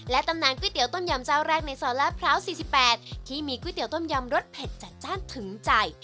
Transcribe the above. ตำนานก๋วยเตี๋ยต้มยำเจ้าแรกในซอยลาดพร้าว๔๘ที่มีก๋วยเตี๋ต้มยำรสเผ็ดจัดจ้านถึงใจ